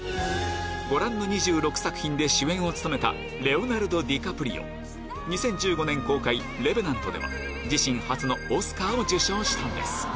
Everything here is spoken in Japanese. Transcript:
ご覧の２６作品で主演を務めたレオナルド・ディカプリオ２０１５年公開『レヴェナント』では自身初のオスカーを受賞したんです